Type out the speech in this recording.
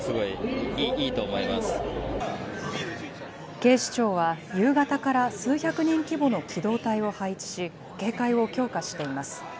警視庁は夕方から数百人規模の機動隊を配置し警戒を強化しています。